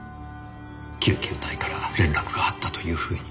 救急隊から連絡があったというふうに。